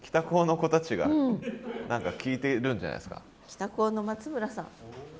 北高の松村さん。